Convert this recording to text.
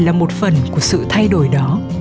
là một phần của sự thay đổi đó